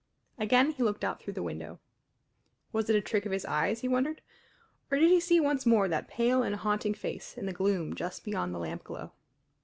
Again he looked out through the window. Was it a trick of his eyes, he wondered, or did he see once more that pale and haunting face in the gloom just beyond the lampglow?